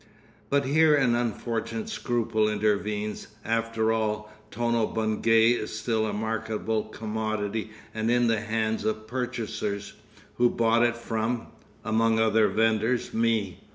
(But here an unfortunate scruple intervenes. After all, Tono Bungay is still a marketable commodity and in the hands of purchasers, who bought it from—among other vendors—me.